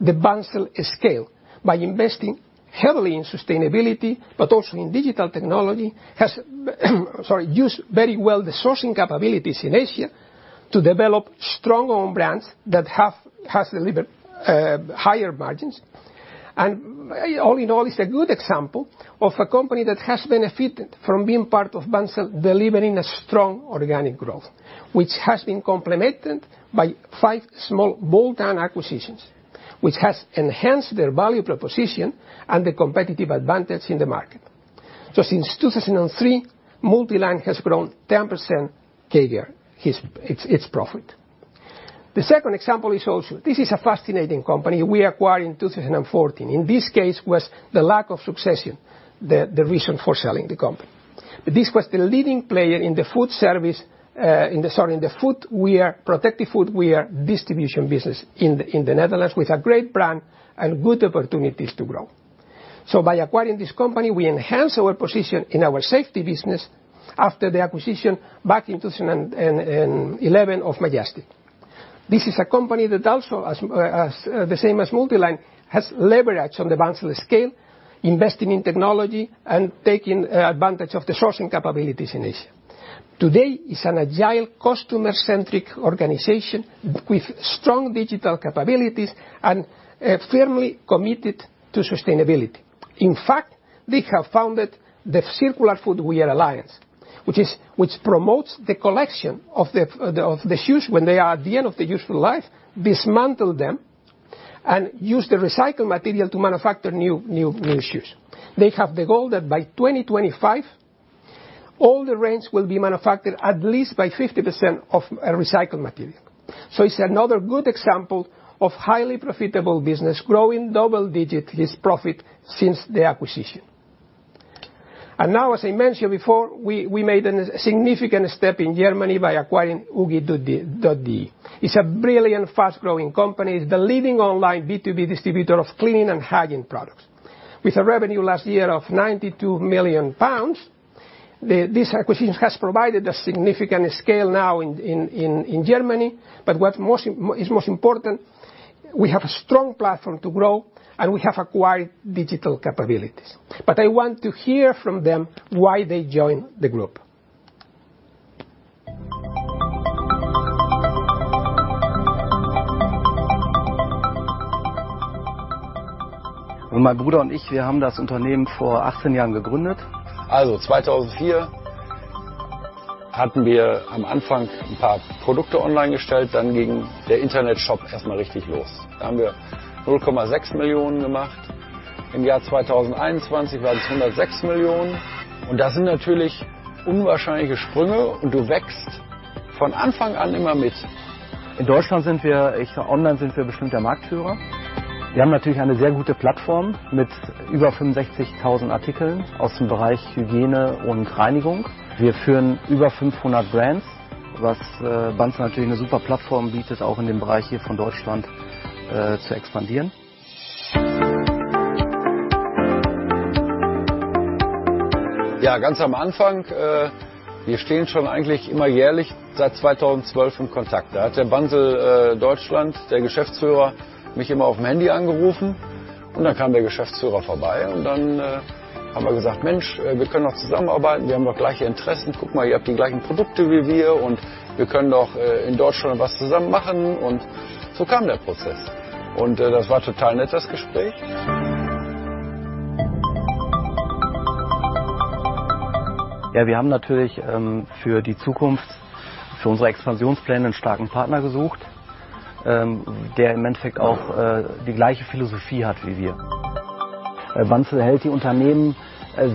the Bunzl scale by investing heavily in sustainability, but also in digital technology. It has used very well the sourcing capabilities in Asia to develop strong own brands that have delivered higher margins. All in all, it's a good example of a company that has benefited from being part of Bunzl, delivering a strong organic growth, which has been complemented by five small bolt-on acquisitions, which has enhanced their value proposition and the competitive advantage in the market. Since 2003, MultiLine has grown 10% CAGR its profit. The second example is also this. This is a fascinating company we acquired in 2014. In this case was the lack of succession the reason for selling the company. This was the leading player in the footwear, protective footwear distribution business in the Netherlands, with a great brand and good opportunities to grow. By acquiring this company, we enhanced our position in our safety business after the acquisition back in 2011 of Majestic. This is a company that also, as the same as MultiLine, has leveraged on the Bunzl scale, investing in technology and taking advantage of the sourcing capabilities in Asia. Today, it's an agile customer-centric organization with strong digital capabilities and firmly committed to sustainability. In fact, they have founded the Circular Footwear Alliance, which promotes the collection of the shoes when they are at the end of their useful life, dismantle them, and use the recycled material to manufacture new shoes. They have the goal that by 2025, all the range will be manufactured at least by 50% of recycled material. It's another good example of highly profitable business growing double-digit this profit since the acquisition. Now, as I mentioned before, we made a significant step in Germany by acquiring Hygi.de. It's a brilliant, fast-growing company. It's the leading online B2B distributor of cleaning and hygiene products. With a revenue last year of 92 million pounds, this acquisition has provided a significant scale now in Germany. What's most important is we have a strong platform to grow and we have acquired digital capabilities. I want to hear from them why they joined the group. Mein Bruder und ich, wir haben das Unternehmen vor 18 Jahren gegründet. 2004 hatten wir am Anfang ein paar Produkte online gestellt, dann ging der Internetshop erst mal richtig los. Da haben wir 0.6 Millionen gemacht. Im Jahr 2021 waren es 106 Millionen und das sind natürlich unwahrscheinliche Sprünge und du wächst von Anfang an immer mit. In Deutschland sind wir, ich sag, online sind wir bestimmt der Marktführer. Wir haben natürlich eine sehr gute Plattform mit über 65,000 Artikeln aus dem Bereich Hygiene und Reinigung. Wir führen über 500 brands, was Bunzl natürlich eine super Plattform bietet, auch in dem Bereich hier von Deutschland zu expandieren. Ja, ganz am Anfang, wir stehen schon eigentlich immer jährlich seit 2012 in Kontakt. Da hat der Bunzl Deutschland, der Geschäftsführer, mich immer aufm Handy angerufen und dann kam der Geschäftsführer vorbei und dann haben wir gesagt: „Mensch, wir können doch zusammenarbeiten, wir haben doch gleiche Interessen. Guckt mal, ihr habt die gleichen Produkte wie wir und wir können doch in Deutschland was zusammen machen." So kam der Prozess. Das war total nett, das Gespräch. Ja, wir haben natürlich für die Zukunft, für unsere Expansionspläne einen starken Partner gesucht, der im Endeffekt auch die gleiche Philosophie hat wie wir. Bunzl hält die Unternehmen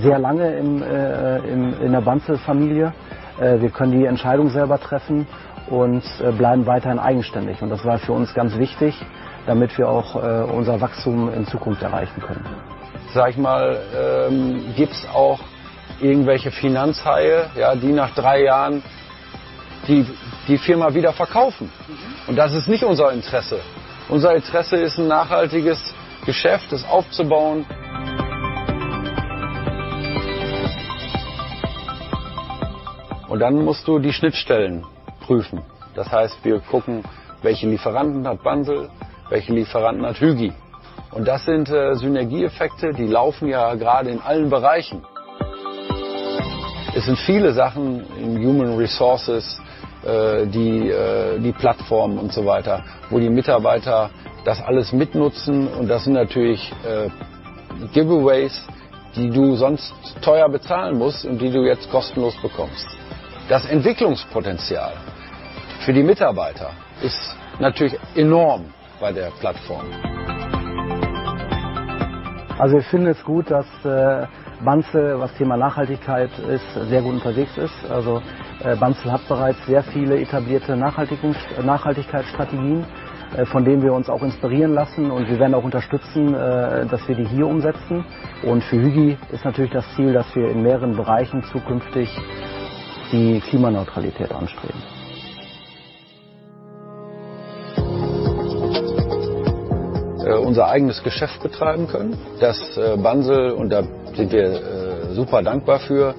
sehr lange in der Bunzl-Familie. Wir können die Entscheidung selber treffen und bleiben weiterhin eigenständig und das war für uns ganz wichtig, damit wir auch unser Wachstum in Zukunft erreichen können. Sag ich mal, gibt's auch irgendwelche Finanzhaie, ja, die nach drei Jahren die Firma wieder verkaufen? Mhm. Das ist nicht unser Interesse. Unser Interesse ist, ein nachhaltiges Geschäft, das aufzubauen. Dann musst du die Schnittstellen prüfen. Das heißt, wir gucken, welche Lieferanten hat Bunzl, welche Lieferanten hat Hygi.de. Das sind Synergieeffekte, die laufen ja gerade in allen Bereichen. Es sind viele Sachen in Human Resources, die Plattformen und so weiter, wo die Mitarbeiter das alles mitnutzen. Das sind natürlich Giveaways, die du sonst teuer bezahlen musst und die du jetzt kostenlos bekommst. Das Entwicklungspotenzial für die Mitarbeiter ist natürlich enorm bei der Plattform. Ich finde es gut, dass Bunzl beim Thema Nachhaltigkeit sehr gut unterwegs ist. Bunzl hat bereits sehr viele etablierte Nachhaltigkeitsstrategien, von denen wir uns auch inspirieren lassen und wir werden auch unterstützen, dass wir die hier umsetzen. Für Hygi.de ist natürlich das Ziel, dass wir in mehreren Bereichen zukünftig die Klimaneutralität anstreben. Unser eigenes Geschäft betreiben können, dass Bunzl und da sind wir super dankbar für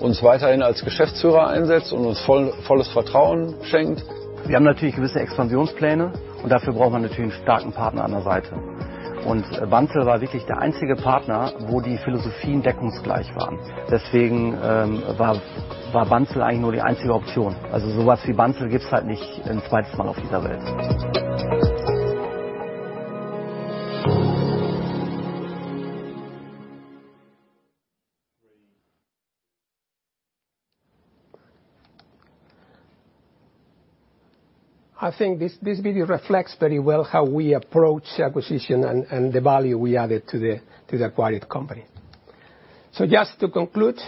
uns weiterhin als Geschäftsführer einsetzt und uns volles Vertrauen schenkt. Wir haben natürlich gewisse Expansionspläne und dafür braucht man natürlich einen starken Partner an der Seite. Bunzl war wirklich der einzige Partner, wo die Philosophien deckungsgleich waren. Deswegen war Bunzl eigentlich nur die einzige Option. Also so was wie Bunzl gibt's halt nicht ein zweites Mal auf dieser Welt. I think this video reflects very well how we approach acquisition and the value we added to the acquired company. Just to conclude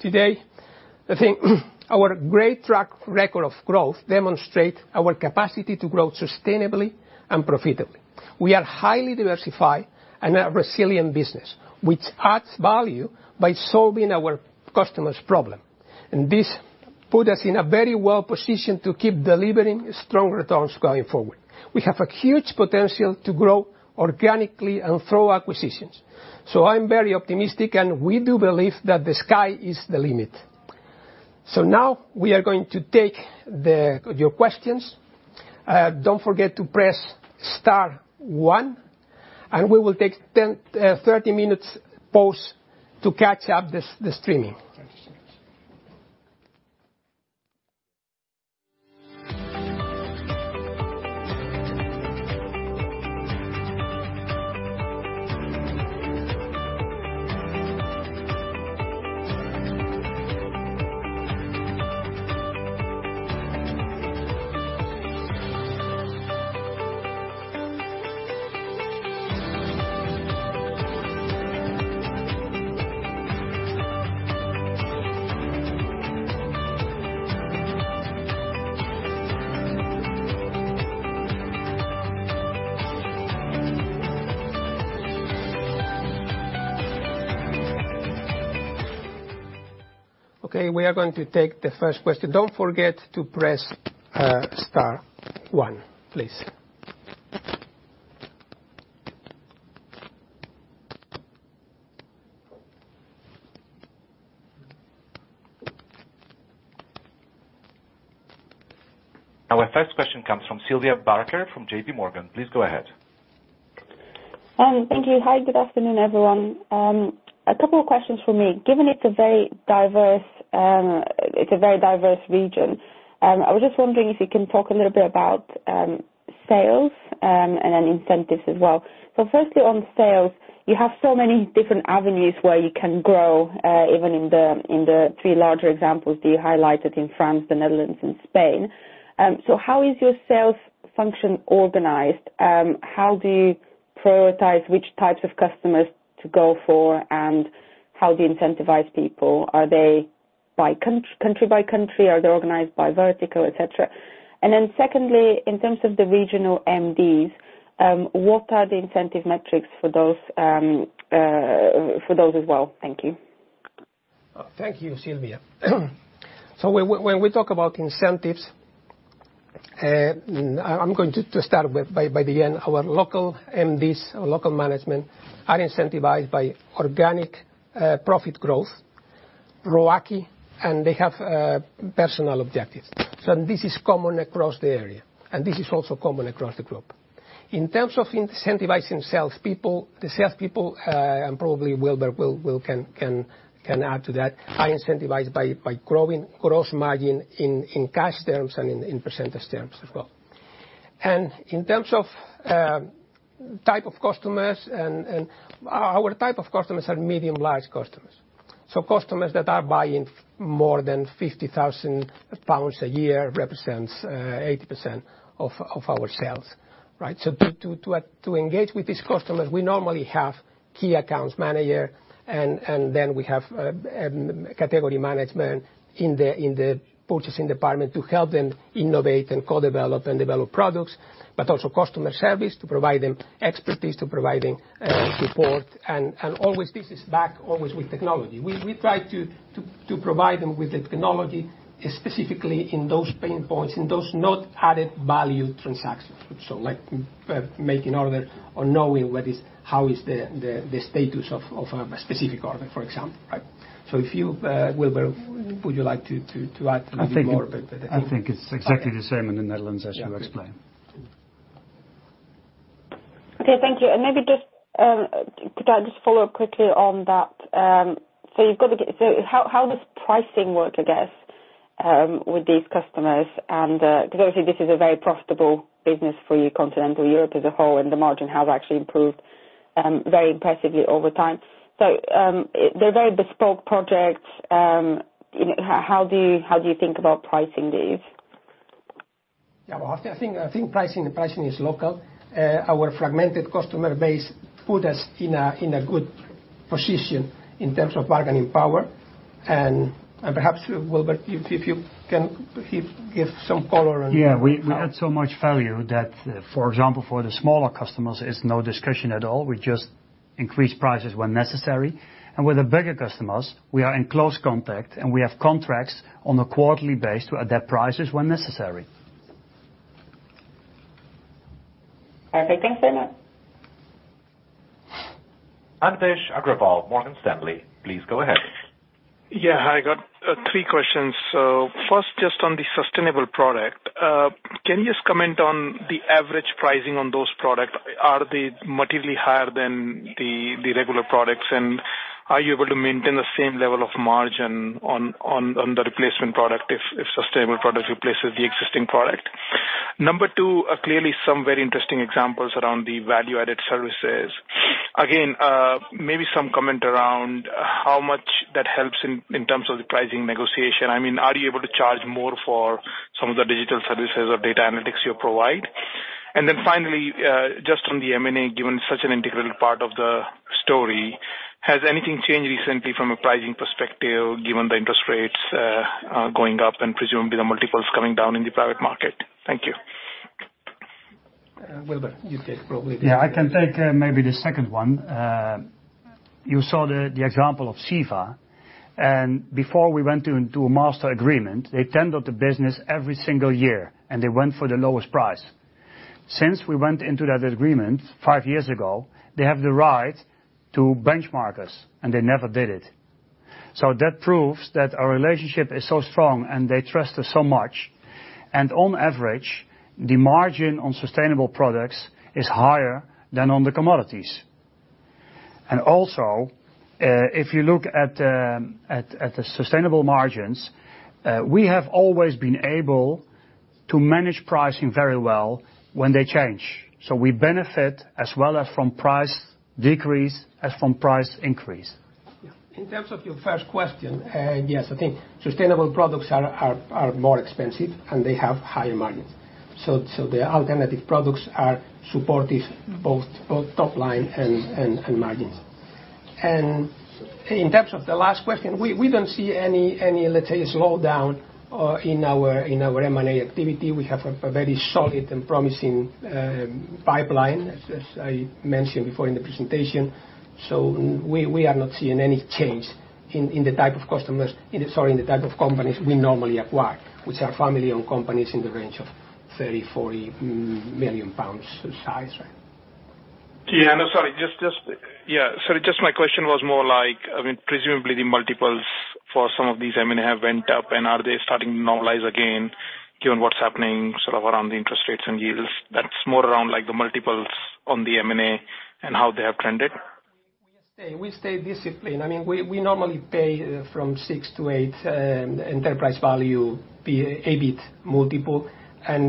today, I think our great track record of growth demonstrate our capacity to grow sustainably and profitably. We are highly diversified and a resilient business, which adds value by solving our customers problem. This put us in a very well position to keep delivering strong returns going forward. We have a huge potential to grow organically and through acquisitions. I'm very optimistic and we do believe that the sky is the limit. Now we are going to take your questions. Don't forget to press star one and we will take 30 minutes pause to catch up the streaming. Okay, we are going to take the first question. Don't forget to press star one, please. Our first question comes from Sylvia Barker from J.P. Morgan. Please go ahead. Thank you. Hi, good afternoon, everyone. A couple of questions for me. Given it's a very diverse region, I was just wondering if you can talk a little bit about sales and then incentives as well. Firstly, on sales, you have so many different avenues where you can grow, even in the three larger examples that you highlighted in France, the Netherlands and Spain. How is your sales function organized? How do you prioritize which types of customers to go for, and how do you incentivize people? Are they by country by country? Are they organized by vertical, et cetera? Secondly, in terms of the regional MDs, what are the incentive metrics for those as well? Thank you. Thank you, Sylvia. When we talk about incentives, I'm going to start with, by the end, our local MDs, our local management are incentivized by organic profit growth, ROACI, and they have personal objectives. This is common across the area, and this is also common across the group. In terms of incentivizing salespeople, the salespeople and probably Wilbert can add to that, are incentivized by growing gross margin in cash terms and in percentage terms as well. In terms of type of customers and our type of customers are medium large customers. Customers that are buying more than 50,000 pounds a year represents 80% of our sales, right? To engage with these customers, we normally have key accounts manager, and then we have category management in the purchasing department to help them innovate and co-develop and develop products, but also customer service to provide them expertise, to provide them support. Always this is backed always with technology. We try to provide them with the technology specifically in those pain points, in those not added value transactions. Like making order or knowing how is the status of a specific order, for example, right? If you, Wilbert, would you like to add a little bit more about the- I think it's exactly the same in the Netherlands as you explained. Okay, thank you. Maybe just, could I just follow up quickly on that? You've got to get. How does pricing work, I guess, with these customers? Because obviously this is a very profitable business for you, Continental Europe as a whole, and the margin has actually improved very impressively over time. They're very bespoke projects. How do you think about pricing these? Yeah. Well, I think pricing, the pricing is local. Our fragmented customer base put us in a good position in terms of bargaining power. Perhaps, Wilbert, if you can give some color on how- Yeah, we add so much value that, for example, for the smaller customers, it's no discussion at all. We just increase prices when necessary. With the bigger customers, we are in close contact, and we have contracts on a quarterly basis to adapt prices when necessary. Perfect. Thanks very much. Anvesh Agrawal, Morgan Stanley, please go ahead. Yeah. Hi, I got three questions. First, just on the sustainable product, can you just comment on the average pricing on those products? Are they materially higher than the regular products? And are you able to maintain the same level of margin on the replacement product if sustainable product replaces the existing product? Number two, clearly some very interesting examples around the value-added services. Again, maybe some comment around how much that helps in terms of the pricing negotiation. I mean, are you able to charge more for some of the digital services or data analytics you provide? And then finally, just on the M&A, given such an integral part of the story, has anything changed recently from a pricing perspective, given the interest rates going up and presumably the multiples coming down in the private market? Thank you. Wilbert, you take probably the- Yeah, I can take maybe the second one. You saw the example of CEVA, and before we went into a master agreement, they tendered the business every single year, and they went for the lowest price. Since we went into that agreement five years ago, they have the right to benchmark us, and they never did it. That proves that our relationship is so strong, and they trust us so much. On average, the margin on sustainable products is higher than on the commodities. Also, if you look at the sustainable margins, we have always been able to manage pricing very well when they change. We benefit as well as from price decrease as from price increase. Yeah. In terms of your first question, yes, I think sustainable products are more expensive, and they have higher margins. The alternative products are supportive both top line and margins. In terms of the last question, we don't see any, let's say, slowdown in our M&A activity. We have a very solid and promising pipeline, as I mentioned before in the presentation. We are not seeing any change in the type of companies we normally acquire, which are family-owned companies in the range of 30 million-40 million pounds size, right? Sorry, my question was more like, I mean, presumably the multiples for some of these M&A have went up, and are they starting to normalize again given what's happening sort of around the interest rates and yields? That's more around like the multiples on the M&A and how they have trended. We stay disciplined. I mean, we normally pay from six to eight, enterprise value to EBIT multiple.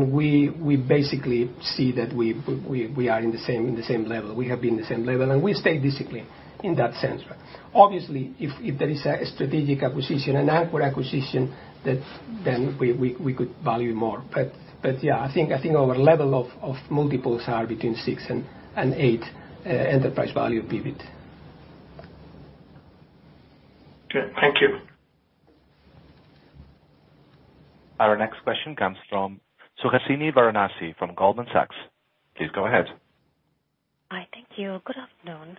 We basically see that we are in the same level. We have been the same level, and we stay disciplined in that sense. If there is a strategic acquisition, a bolt-on acquisition that we could value more. Yeah, I think our level of multiples are between six and eight, enterprise value to EBIT. Okay, thank you. Our next question comes from Suhasini Varanasi from Goldman Sachs. Please go ahead. Hi. Thank you. Good afternoon.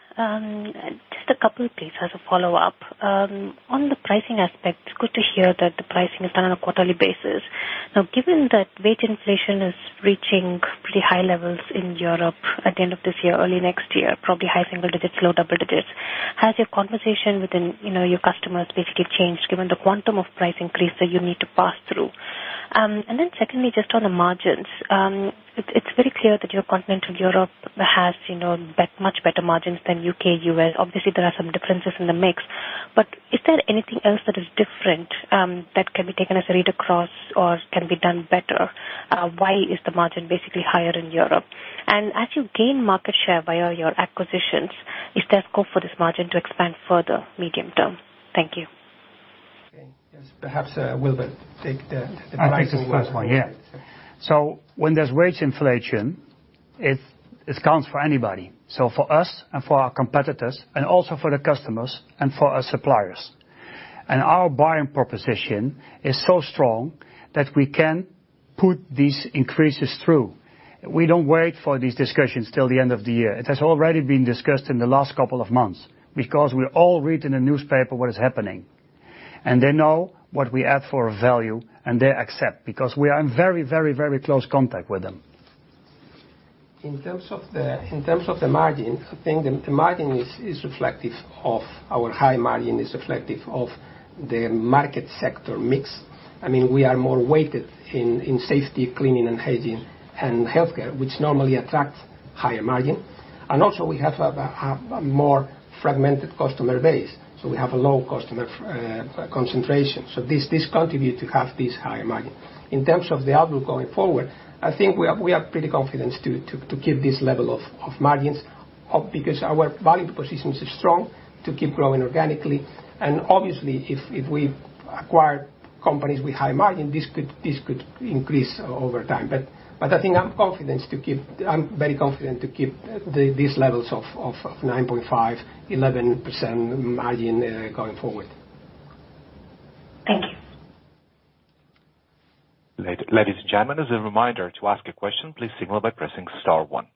Just a couple of things as a follow-up. On the pricing aspect, good to hear that the pricing is done on a quarterly basis. Now, given that wage inflation is reaching pretty high levels in Europe at the end of this year, early next year, probably high single digits-low double digits. Has your conversation with, you know, your customers basically changed given the quantum of price increase that you need to pass through? And then secondly, just on the margins, it's very clear that your continental Europe has, you know, much better margins than U.K., U.S. Obviously, there are some differences in the mix, but is there anything else that is different, that can be taken as a read across or can be done better? Why is the margin basically higher in Europe? As you gain market share via your acquisitions, is there scope for this margin to expand further medium-term? Thank you. Okay. Yes, perhaps, Wilbert, take the pricing one. I'll take this first one, yeah. When there's wage inflation, it's, it counts for anybody, so for us and for our competitors and also for the customers and for our suppliers. Our buying proposition is so strong that we can put these increases through. We don't wait for these discussions till the end of the year. It has already been discussed in the last couple of months because we all read in the newspaper what is happening. They know what we add for value, and they accept because we are in very, very, very close contact with them. In terms of the margin, I think the margin is reflective of our high margin is reflective of the market sector mix. I mean, we are more weighted in safety, cleaning and hygiene, and healthcare, which normally attract higher margin. Also we have a more fragmented customer base, so we have a low customer concentration. This contribute to have this higher margin. In terms of the outlook going forward, I think we have pretty confidence to keep this level of margins, because our value proposition is strong to keep growing organically. Obviously if we acquire companies with high margin, this could increase over time. I think I'm confident to keep. I'm very confident to keep these levels of 9.5%, 11% margin going forward. Thank you. Ladies and gentlemen, as a reminder, to ask a question, please signal by pressing star one.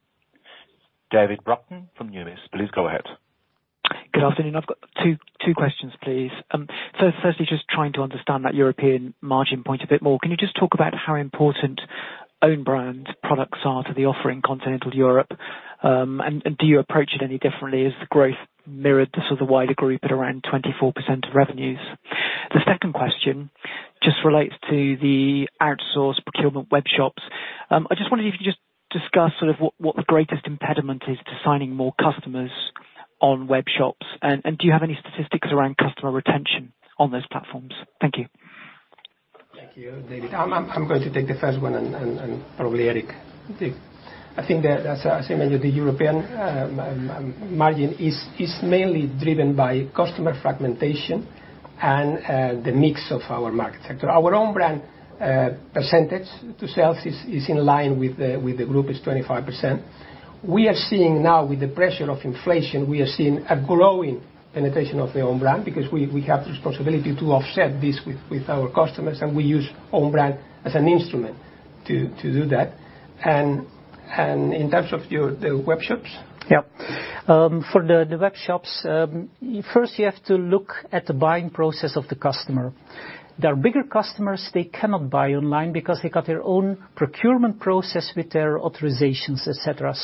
David Brockton from Numis, please go ahead. Good afternoon. I've got two questions, please. Firstly, just trying to understand that European margin point a bit more. Can you just talk about how important own brand products are to the offering continental Europe? Do you approach it any differently? Is the growth mirrored to sort of wider group at around 24% of revenues? The second question just relates to the outsource procurement webshops. I just wondered if you could just discuss sort of what the greatest impediment is to signing more customers on webshops. Do you have any statistics around customer retention on those platforms? Thank you. Thank you, David. I'm going to take the first one and probably Eric. I think that as mentioned, the European margin is mainly driven by customer fragmentation and the mix of our market sector. Our own brand percentage to sales is in line with the group. It's 25%. We are seeing now with the pressure of inflation a growing penetration of the own brand because we have the responsibility to offset this with our customers, and we use own brand as an instrument to do that. In terms of your the webshops? Yeah. For the webshops, first you have to look at the buying process of the customer. The bigger customers, they cannot buy online because they got their own procurement process with their authorizations, et cetera.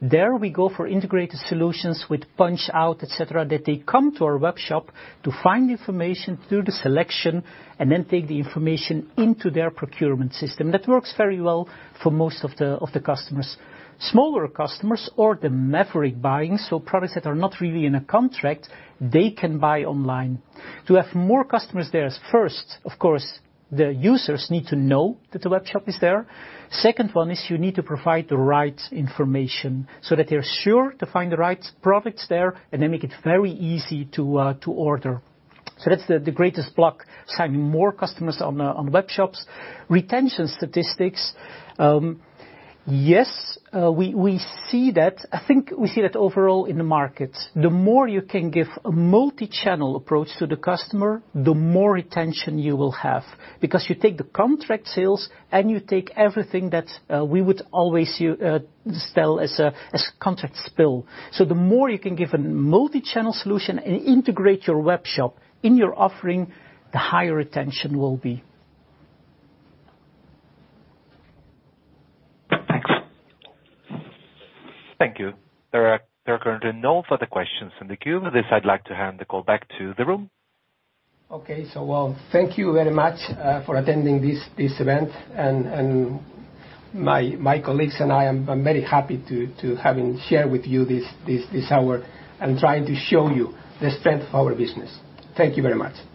There we go for integrated solutions with PunchOut, et cetera, that they come to our webshop to find information through the selection and then take the information into their procurement system. That works very well for most of the customers. Smaller customers or the maverick buying, so products that are not really in a contract, they can buy online. To have more customers there, first, of course, the users need to know that the webshop is there. Second one is you need to provide the right information so that they're sure to find the right products there, and they make it very easy to order. That's the greatest block, signing more customers on the webshops. Retention statistics, yes, we see that. I think we see that overall in the market. The more you can give a multi-channel approach to the customer, the more retention you will have. Because you take the contract sales and you take everything that we would always sell as a contract spill. The more you can give a multi-channel solution and integrate your webshop in your offering, the higher retention will be. Thanks. Thank you. There are currently no further questions in the queue. With this, I'd like to hand the call back to the room. Okay. Well, thank you very much for attending this event. My colleagues and I are very happy to having shared with you this hour and trying to show you the strength of our business. Thank you very much. Thank you.